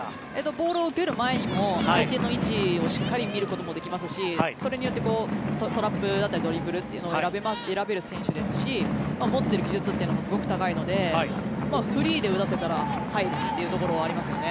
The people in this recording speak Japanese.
ボールを受ける前にも相手の位置をしっかり見ることもできますしそれによってトラップだったりドリブルを選べる選手ですし持っている技術というのもすごく高いのでフリーで打たせたら入るというところはありますよね。